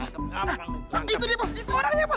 itu dia bos itu orangnya bos